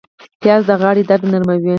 پیاز د غاړې درد نرموي